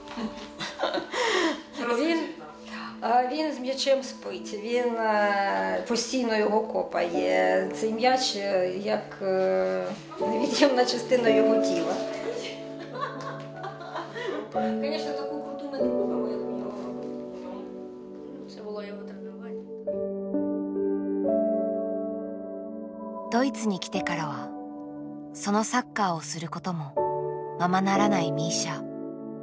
ドイツに来てからはそのサッカーをすることもままならないミーシャ。